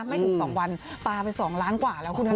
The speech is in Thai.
ไม่ถึง๒วันปลาเป็นสองล้านกว่าแล้วนะ